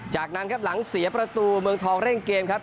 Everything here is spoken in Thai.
จากนั้นครับหลังเสียประตูเมืองทองเร่งเกมครับ